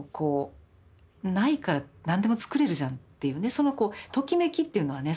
そのこうときめきっていうのはね